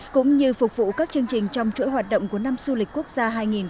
cũng như phục vụ các chương trình trong chuỗi hoạt động của năm du lịch quốc gia hai nghìn hai mươi bốn